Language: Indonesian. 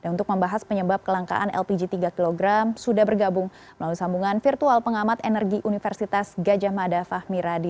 untuk membahas penyebab kelangkaan lpg tiga kg sudah bergabung melalui sambungan virtual pengamat energi universitas gajah mada fahmi radi